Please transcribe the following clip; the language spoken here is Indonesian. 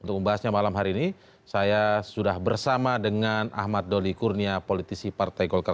untuk membahasnya malam hari ini saya sudah bersama dengan ahmad doli kurnia politisi partai golkar